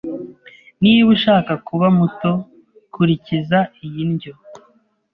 Niba ushaka kuba muto, kurikiza iyi ndyo.